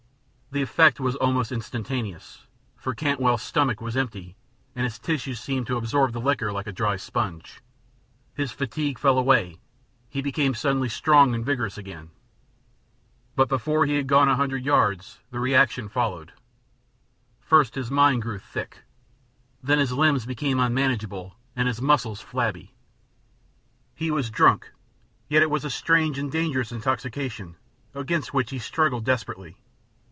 The effect was almost instantaneous, for Cantwell's stomach was empty and his tissues seemed to absorb the liquor like a dry sponge; his fatigue fell away, he became suddenly strong and vigorous again. But before he had gone a hundred yards the reaction followed. First his mind grew thick, then his limbs became unmanageable and his muscles flabby. He was drunk. Yet it was a strange and dangerous intoxication, against which he struggled desperately.